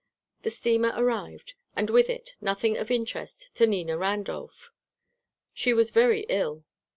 The steamer arrived, and with it nothing of interest to Nina Randolph. She was very ill.